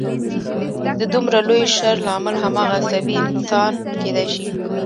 د دومره لوی شر لامل هماغه عصبي انسان کېدای شي